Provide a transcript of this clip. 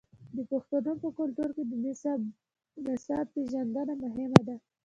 د پښتنو په کلتور کې د نسب پیژندنه مهمه ده.